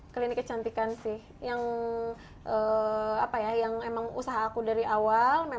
klinik kecantikan sih yang usaha aku dari awal